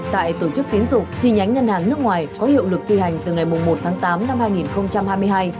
tại tổ chức tiến dụng chi nhánh ngân hàng nước ngoài có hiệu lực thi hành từ ngày một tháng tám năm hai nghìn hai mươi hai